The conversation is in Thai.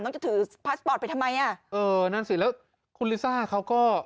ท่านจะถือพาสปอร์ตไปทำไมอ่ะนั้นสิลุตคู่มีร่างค์เขาก็